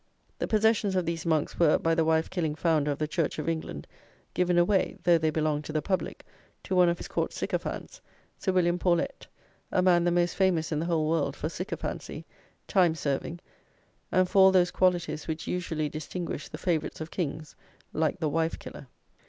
The possessions of these monks were, by the wife killing founder of the Church of England, given away (though they belonged to the public) to one of his court sycophants, Sir William Paulet, a man the most famous in the whole world for sycophancy, time serving, and for all those qualities which usually distinguish the favourites of kings like the wife killer.